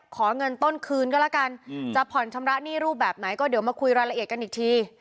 ขอเงินต้นคืนก็แล้วกันจะผ่อนชำระหนี้รูปแบบไหนก็เดี๋ยวมาคุยรายละเอียดกันอีกที